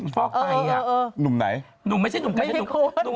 ฟอกไตอ่ะหนุ่มไหนไม่ได้โค้ด